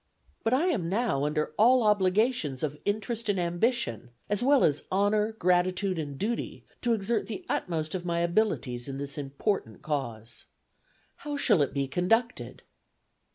"But I am now under all obligations of interest and ambition, as well as honor, gratitude and duty, to exert the utmost of my abilities in this important cause. How shall it be conducted?"